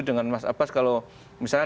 dengan mas abbas kalau misalnya